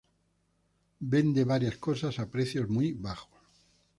Vende varias cosas a precios muy bajos.